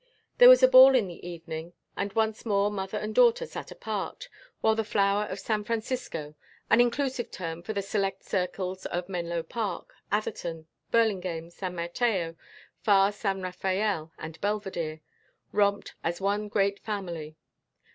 There was a ball in the evening and once more mother and daughter sat apart, while the flower of San Francisco an inclusive term for the select circles of Menlo Park, Atherton, Burlingame, San Mateo, far San Rafael and Belvedere romped as one great family.